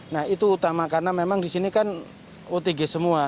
nah itu utamakan memang di sini kan otg semua